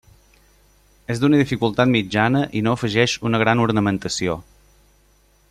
És d'una dificultat mitjana i no afegeix una gran ornamentació.